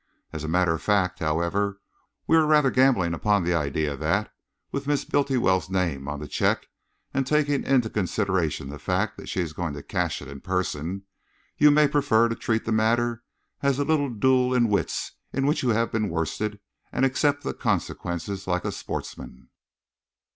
"As a matter of fact, however, we are rather gambling upon the idea that, with Miss Bultiwell's name on the cheque, and taking into consideration the fact that she is going to cash it in person, you may prefer to treat the matter as a little duel in wits in which you have been worsted, and accept the consequences like a sportsman."